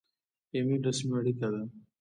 ایمیل رسمي اړیکه ده